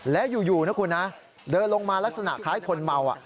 และอยู่นะคุณนะเดินลงมาลักษณะคล้ายคนเมา